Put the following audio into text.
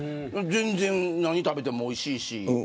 全然、何食べてもおいしいし。